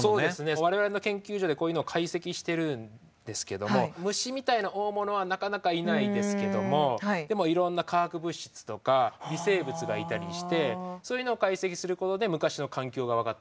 我々の研究所でこういうのを解析してるんですけども虫みたいな大物はなかなかいないですけどもでもいろんな化学物質とか微生物がいたりしてそういうのを解析することで昔の環境が分かったりします。